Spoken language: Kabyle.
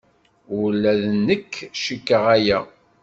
Ula d nekk cikkeɣ aya.